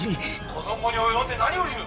「この期に及んで何を言う！」。